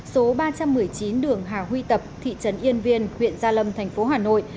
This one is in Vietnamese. số ba trăm một mươi chín đường hà huy tập thị trấn yên viên huyện gia lâm thành phố hà nội